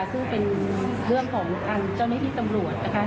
ซึ่งเป็นเรื่องของเจ้านิทธิตำรวจนะคะ